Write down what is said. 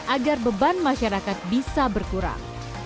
agar beban masyarakat bisa berkurang